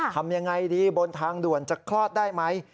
ทำยังไงดีบนทางด่วนจะคลอดได้ไหม